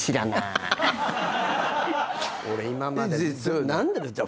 俺今まで。